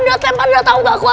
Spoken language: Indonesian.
dodeh tau gak kuat